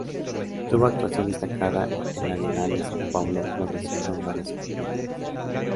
Tuvo actuación destacada en la Bienal de San Pablo donde asistió en varias oportunidades.